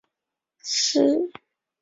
奥恩河畔欧努人口变化图示